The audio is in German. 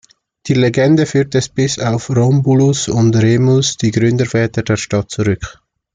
Die Legende führt es bis auf Romulus und Remus, die Gründerväter der Stadt zurück.